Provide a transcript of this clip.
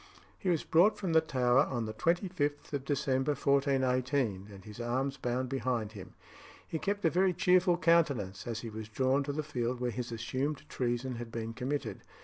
He was brought from the Tower on the 25th of December 1418, and his arms bound behind him. He kept a very cheerful countenance as he was drawn to the field where his assumed treason had been committed.